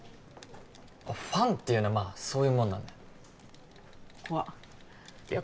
ファンっていうのはまあそういうもんなんだよ怖っいや